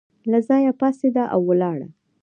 له ځایه پاڅېده او ولاړه.